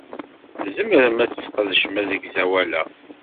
Tzemrem ad tesqedcem asegzawal-a.